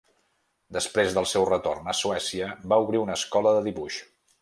Després del seu retorn a Suècia, va obrir una escola de dibuix.